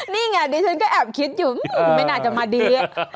นี่ไงดิฉันก็แอบคิดอยู่ไม่น่าจะมาดี